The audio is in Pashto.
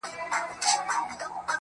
• د خبرونو وياند يې.